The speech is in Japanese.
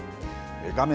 画面